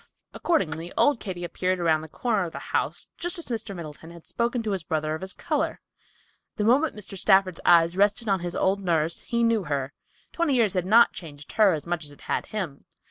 Accordingly, old Katy appeared around the corner of the house just as Mr. Middleton had spoken to his brother of his color. The moment Mr. Stafford's eye rested on his old nurse, he knew her. Twenty years had not changed her as much as it had him.